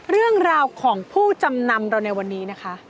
เรื่องราวของผู้จำนำเราในวันนี้นะคะ